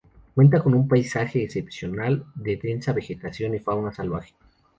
Cuenta con un paisaje excepcional, de densa vegetación y fauna salvaje.